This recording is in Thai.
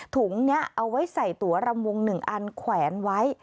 ถุงนี้เอาไว้ใส่ตัวรำวง๑อันแขวนไว้